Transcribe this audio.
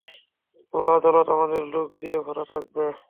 পুরো আদালত আমাদের লোক দিয়ে ভরা থাকবে।